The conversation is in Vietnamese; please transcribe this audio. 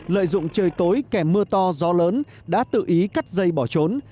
lợi dụng trời tối kèm mưa to gió lớn đã tự ý cắt dây bỏ trốn